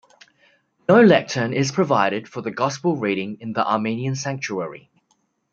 No lectern is provided for the Gospel reading in the Armenian sanctuary.